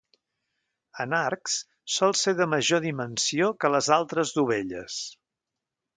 En arcs sol ser de major dimensió que les altres dovelles.